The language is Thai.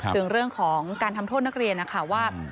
ถึงเรื่องของการทำโทษนักเรียนนะคะว่า